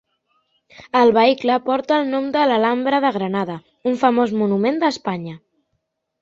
El vehicle porta el nom de l'Alhambra de Granada, un famós monument d'Espanya.